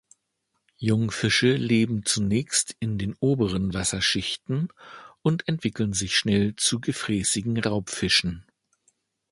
Jungfische leben zunächst in den oberen Wasserschichten und entwickeln sich schnell zu gefräßigen Raubfischen.